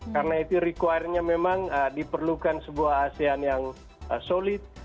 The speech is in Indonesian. karena itu require nya memang diperlukan sebuah asean yang solid